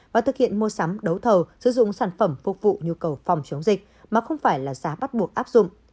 và thực hiện mua sắm đấu thầu sử dụng sản phẩm phục vụ nhu cầu phòng chống dịch mà không phải là giá bắt buộc áp dụng